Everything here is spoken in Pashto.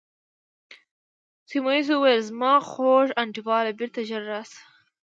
سیمونز وویل: زما خوږ انډیواله، بیرته ژر راشه.